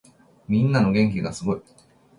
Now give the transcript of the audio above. みんなの元気がすごい。